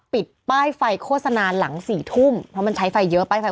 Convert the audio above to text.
ปิดป้ายไฟโฆษณาหลัง๔ทุ่มเพราะมันใช้ไฟเยอะป้ายไฟ